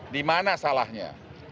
di mana salahnya